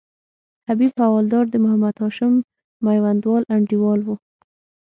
حبیب حوالدار د محمد هاشم میوندوال انډیوال وو.